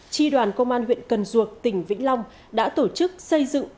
tri đoàn công an huyện cần duộc tỉnh vĩnh long đã tổ chức xây dựng